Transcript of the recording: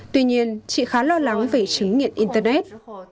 tuy nhiên chị khá lo lắng về chứng nghiện internet